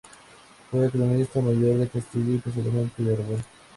Fue Cronista Mayor de Castilla y posteriormente de Aragón.